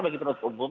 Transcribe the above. bagi penduduk umum